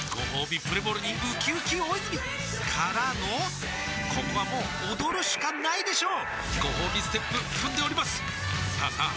プレモルにうきうき大泉からのここはもう踊るしかないでしょうごほうびステップ踏んでおりますさあさあ